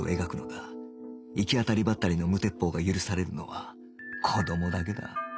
行き当たりばったりの無鉄砲が許されるのは子どもだけだ